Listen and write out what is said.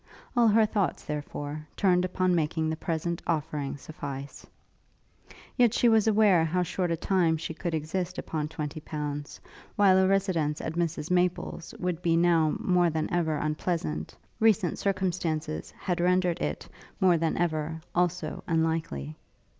All her thoughts, therefore, turned upon making the present offering suffice. Yet she was aware how short a time she could exist upon twenty pounds; and while a residence at Mrs Maple's would be now more than ever unpleasant, recent circumstances had rendered it, more than ever, also, unlikely.